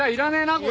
これ。